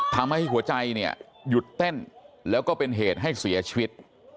ทำให้หัวใจเนี่ยหยุดเต้นแล้วก็เป็นเหตุให้เสียชีวิต